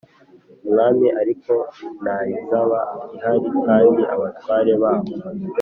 umwami ariko nta yizaba ihari kandi abatware baho